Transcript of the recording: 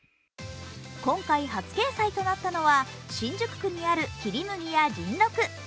今回初掲載となったのは新宿区にある切麦や甚六。